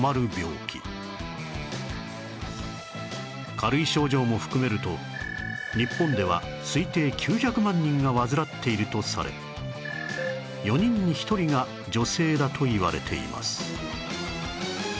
軽い症状も含めると日本では推定９００万人が患っているとされ４人に１人が女性だといわれています